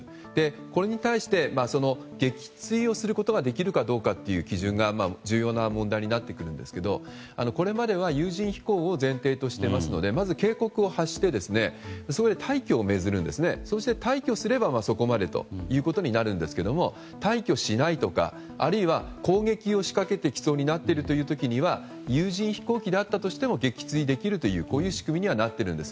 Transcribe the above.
これに対して撃墜をすることができるかどうか基準が重要な問題になってくるんですがこれまでは有人飛行を前提としてますのでまず警告を発して待機をすればそこまでということになるんですけども退去しないとか、あるいは攻撃を仕掛けてきそうになっているときは有人飛行機であったとしても撃墜できるというこういう仕組みにはなっているんです。